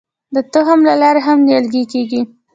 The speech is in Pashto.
د تخم له لارې هم نیالګي کیږي.